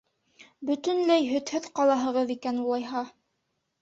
— Бөтөнләй һөтһөҙ ҡалаһығыҙ икән, улайһа.